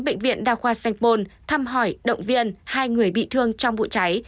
bệnh viện đa khoa sanh pôn thăm hỏi động viên hai người bị thương trong vụ cháy